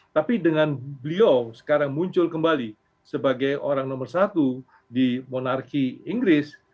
tapi dengan beliau sekarang muncul kembali sebagai orang nomor satu di monarki inggris